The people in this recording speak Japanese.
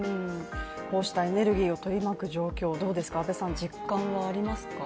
こうしたエネルギーを取り巻く状況実感はありますか？